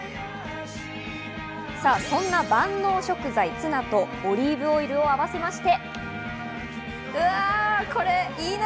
そんな万能食材ツナとオリーブオイルを合わせまして。